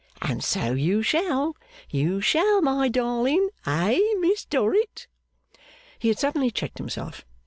And so you shall, you shall, my darling. Eh, Miss Dorrit?' He had suddenly checked himself.